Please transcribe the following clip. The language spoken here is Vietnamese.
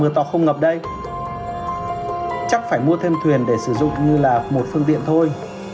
mưa to không ngập đây chắc phải mua thêm thuyền để sử dụng như là một phương tiện thôi